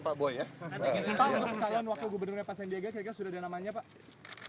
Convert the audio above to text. pak untuk calon wakil gubernurnya pak sandiaga kira kira sudah ada namanya pak